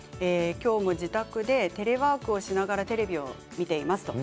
きょうも自宅でテレワークをしながらテレビを見ています。